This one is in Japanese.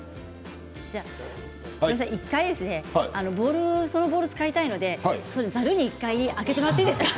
１回そのボウルを使いたいのでざるにあけてもらっていいですか。